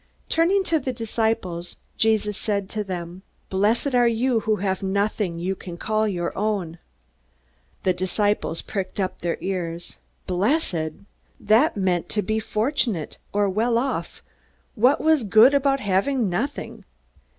Turning to the disciples, Jesus said to them, "Blessed are you who have nothing you can call your own." The disciples pricked up their ears. "Blessed" that meant to be fortunate, or well off. What was good about having nothing?